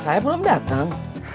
saya belum datang